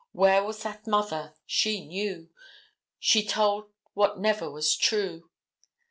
Where was that mother? She knew. She told what never was true.